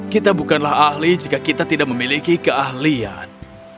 kita bukanlah ahli jika kita tidak memiliki keahlian